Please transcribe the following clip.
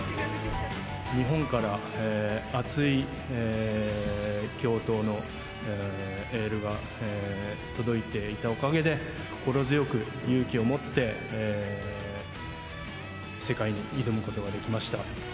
日本から熱い共闘のエールが届いていたおかげで、心強く勇気を持って、世界に挑むことができました。